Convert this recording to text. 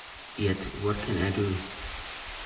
Yet what can I do?